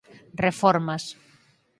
Reformas